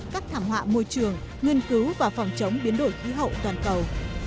các thảm họa môi trường nghiên cứu và phòng chống biến đổi khí hậu toàn cầu